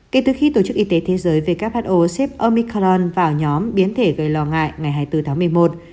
kể từ khi tổ chức y tế thế giới who xếp omiclan vào nhóm biến thể gây lo ngại ngày hai mươi bốn tháng một mươi một